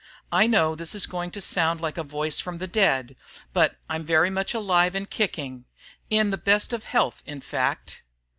I know this is going to sound like a voice from the dead, but I'm very much alive and kicking in the best of health in fact....